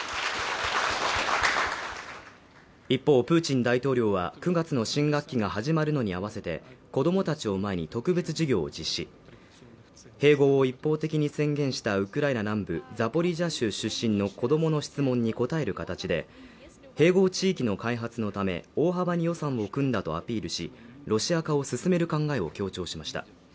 一方プーチン大統領は９月の新学期が始まるのに合わせて子どもたちを前に特別授業を実施併合を一方的に宣言したウクライナ南部ザポリージャ州出身の子どもの質問に答える形で併合地域の開発のため大幅に予算を組んだとアピールしロシア化を進める考えを強調しました